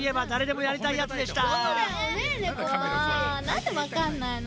もうなんでわかんないの？